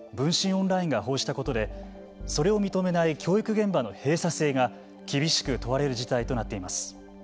オンラインが報じたことでそれを認めない教育現場の閉鎖性が厳しく問われる事態となっています。